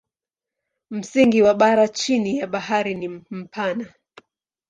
Msingi wa bara chini ya bahari ni mpana.